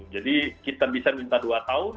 jadi kita bisa minta dua tahun